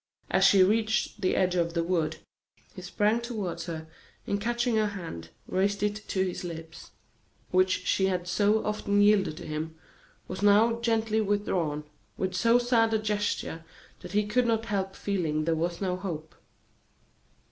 As she reached the edge of the wood, he sprang toward her, and catching her hand raised it to his lips. But this hand, which she had so often yielded to him, was now gently withdrawn, with so sad a gesture that he could not help feeling there was no hope.